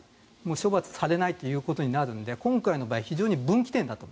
処罰されないということになるので今回の場合、非常に分岐点だと。